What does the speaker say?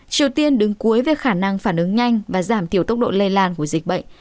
triều tiên đứng cuối về khả năng phản ứng nhanh và giảm thiểu tốc độ lây lan của dịch bệnh